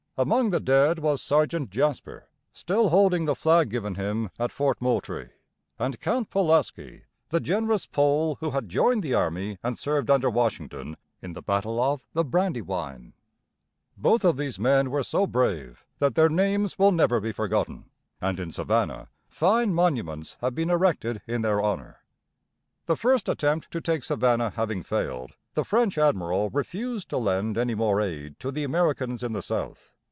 Among the dead was Sergeant Jasper, still holding the flag given him at Fort Moultrie, and Count Pulaski, the generous Pole who had joined the army and served under Washington in the battle of the Brandywine. Both of these men were so brave that their names will never be forgotten, and in Savannah fine monuments have been erected in their honor. [Illustration: Pulaski's Monument in Savannah.] The first attempt to take Savannah having failed, the French admiral refused to lend any more aid to the Americans in the South.